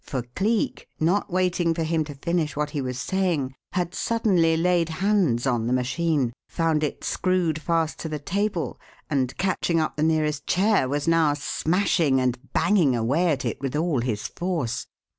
For Cleek, not waiting for him to finish what he was saying, had suddenly laid hands on the machine, found it screwed fast to the table and, catching up the nearest chair, was now smashing and banging away at it with all his force.